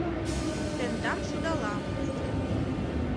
Тендам шудалам...